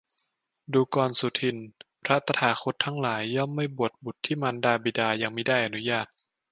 ดูกรสุทินน์ พระตถาคตทั้งหลาย ย่อมไม่บวชบุตรที่มารดาบิดายังมิได้อนุญาต